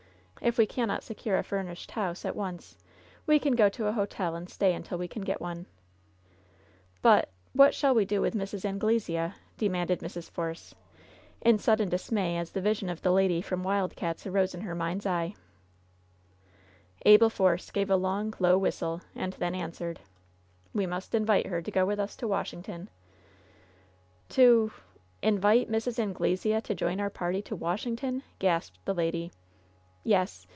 If we cannot secure a furnished house at once we can go to a hotel and stay imtil we can get one." "But — ^what shall we do with Mrs. Anglesea?" de manded Mrs. Force, in sudden dismay as the vision of the lady from Wild Cats* arose in her mind's eye. IX)VE'S BITTEREST CUP 15 Abel Force gave a long^ low wliistle, and then an swered :* We must invite her to go with ns to Washington/' '^To Invite Mrs. Anglesea to join our party to Washington T gasped the lady. "Yes.